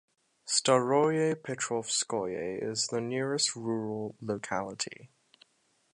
Staroye Petrovskoye is the nearest rural locality.